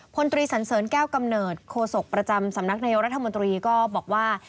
พลตรีสันเสริญแก้วกำเนิดโคศกประจำสำนักนายกรัฐมนตรีก็บอกว่า